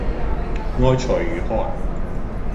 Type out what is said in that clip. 愛才如渴